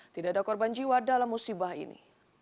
tidak ada korban jiwa dalam musibah ini